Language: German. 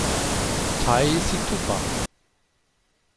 Tai Situpa.